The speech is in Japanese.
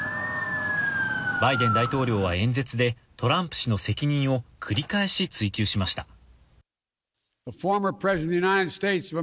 バイデン大統領は演説でトランプ氏の責任を繰り返し追及しました。